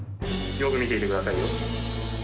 よく見ていてくださいよ。